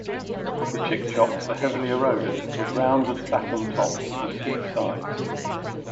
The Chic-Chocs are heavily eroded, with rounded, flattened tops and steep sides.